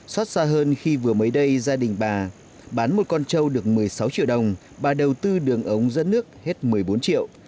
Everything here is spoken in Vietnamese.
xót xa hơn khi vừa mới đây gia đình bà bán một con trâu được một mươi sáu triệu đồng bà đầu tư đường ống dẫn nước hết một mươi bốn triệu